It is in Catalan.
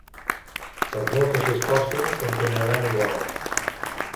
Per molt que s'hi esforcin, continuaran igual.